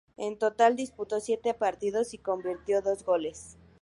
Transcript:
En total disputó siete partidos y convirtió dos goles.